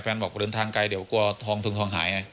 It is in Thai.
แฟนบอกเดินทางไกลเดี๋ยวกลัวทองธงหาย